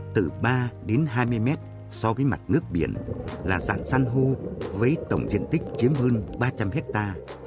từ ba đến hai mươi mét so với mặt nước biển là dạng san hô với tổng diện tích chiếm hơn ba trăm linh hectare